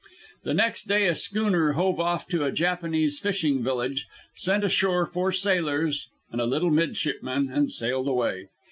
The next day a schooner hove to off a Japanese fishing village, sent ashore four sailors and a little midshipman, and sailed away.